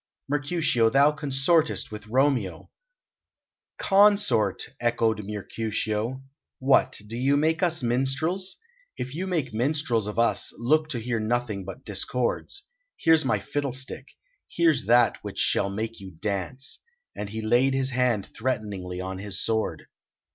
"Mercutio, thou consortest with Romeo " "Consort!" echoed Mercutio. "What, do you make us minstrels? If you make minstrels of us, look to hear nothing but discords. Here's my fiddlestick; here's that which shall make you dance!" And he laid his hand threateningly on his sword.